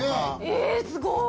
えすごい！